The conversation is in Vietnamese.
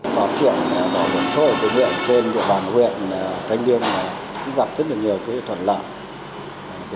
bảo hiểm xã hội tuyên truyền trên địa phòng huyện thành liêm cũng gặp rất nhiều thuận lợi